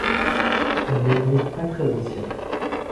Elle n'est donc pas très ancienne.